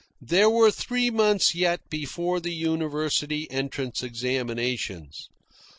There were three months yet before the university entrance examinations.